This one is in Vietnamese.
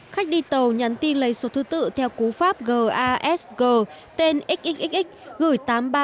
khách đi tàu nhắn tin lấy số thứ tự theo cú pháp gasg tên xxxx gửi tám nghìn ba trăm bảy mươi bảy